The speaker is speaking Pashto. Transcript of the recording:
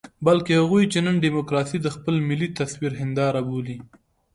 بلکې هغوی چې نن ډيموکراسي د خپل ملي تصوير هنداره بولي.